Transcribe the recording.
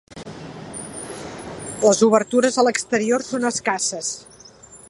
Les obertures a l'exterior són escasses.